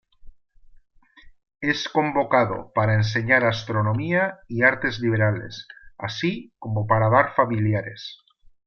Es convocado para enseñar astronomía y artes liberales así como para dar familiares.